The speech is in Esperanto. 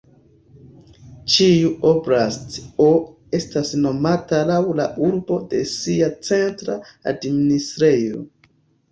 Ĉiu "oblast"o estas nomata laŭ la urbo de sia centra administrejo.